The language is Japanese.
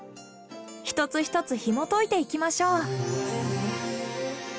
一つ一つひもといていきましょう。